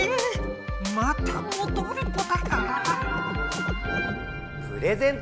またもどるポタか⁉プレゼント